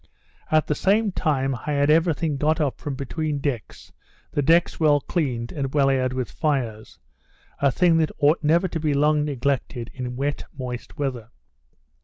At the same time I had every thing got up from between decks, the decks well cleaned and well aired with fires; a thing that ought never to be long neglected in wet moist weather.